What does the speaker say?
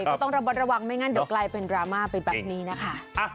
ก็ต้องระวัยระวังไม่งั้นเดี๋ยวกลายเป็นแบบนี้นะคะ